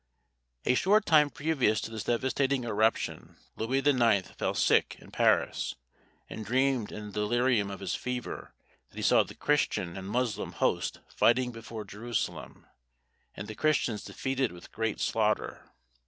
] A short time previous to this devastating eruption, Louis IX. fell sick in Paris, and dreamed in the delirium of his fever that he saw the Christian and Moslem host fighting before Jerusalem, and the Christians defeated with great slaughter.